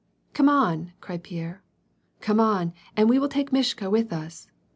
39 Come on," cried Pierre, "Come on! And we will take Miahka with us."